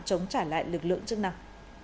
chống trả lại lực lượng chức nặng